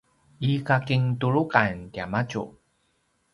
i kakintuluqan tiamadju